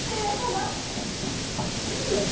義父上様！